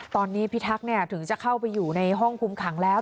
ตอนนี้พิทักษ์ถึงจะเข้าไปอยู่ในห้องคุมขังแล้ว